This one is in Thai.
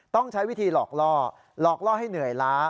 ต้องใช้วิธีหลอกล่อหลอกล่อให้เหนื่อยล้า